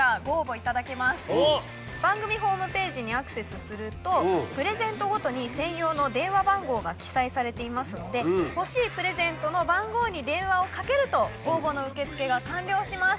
番組ホームページにアクセスするとプレゼントごとに専用の電話番号が記載されていますので欲しいプレゼントの番号に電話をかけると応募の受付が完了します。